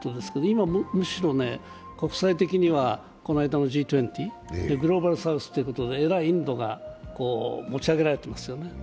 今、むしろね国際的にはこの間のＧ２０グローバルサウスっていうことで、えらいインドが持ち上げられてますよね。